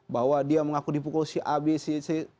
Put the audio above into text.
bahwa dia mengaku dipukul si a b c c